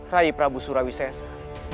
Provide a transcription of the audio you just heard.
rai prabu surawi sesa